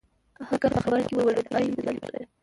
آهنګر په خبره کې ور ولوېد: اې د ظالم زويه!